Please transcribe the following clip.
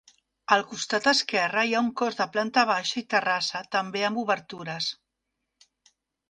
Al costat esquerre hi ha un cos de planta baixa i terrassa també amb obertures.